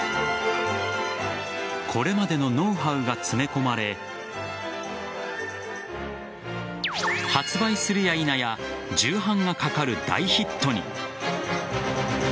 これまでのノウハウが詰め込まれ発売するやいなや重版がかかる大ヒットに。